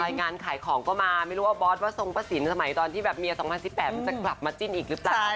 งานขายของก็มาไม่รู้ว่าบอสว่าทรงประสินสมัยตอนที่แบบเมีย๒๐๑๘มันจะกลับมาจิ้นอีกหรือเปล่า